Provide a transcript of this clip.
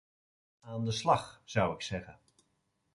Aan de slag, zou ik zeggen.